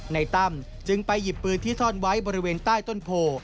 ตั้มจึงไปหยิบปืนที่ซ่อนไว้บริเวณใต้ต้นโพ